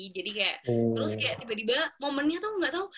jadi kayak terus kayak tiba tiba momennya tuh gak tau